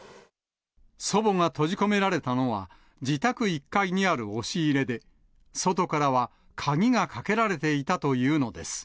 祖母が閉じ込められたのは、自宅１階にある押し入れで、外からは鍵がかけられていたというのです。